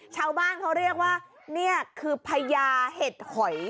ชาวบ้านเขาเรียกว่านี่คือพญาเห็ดหอย